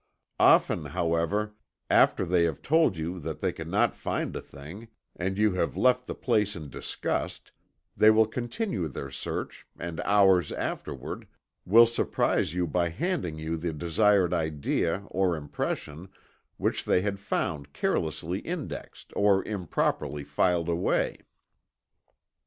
Often, however, after they have told you that they could not find a thing, and you have left the place in disgust, they will continue their search and hours afterward will surprise you by handing you the desired idea, or impression, which they had found carelessly indexed or improperly filed away.